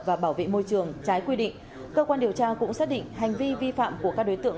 và bảo vệ môi trường trái quy định cơ quan điều tra cũng xác định hành vi vi phạm của các đối tượng